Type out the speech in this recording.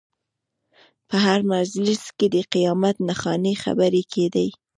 په هر مجلس کې د قیامت نښانې خبرې کېدې.